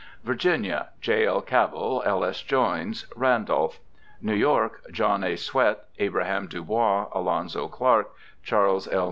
Virginia: J. L.Cabell, L. S. Joynes, Randolph. New York : John A. Swett, Abraham Dubois, Alonzo Clark, Charles L.